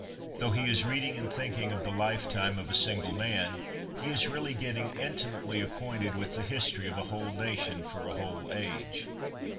Though he is reading and thinking of the lifetime of a single man, he is really getting intimately acquainted with the history of a whole nation for a whole age.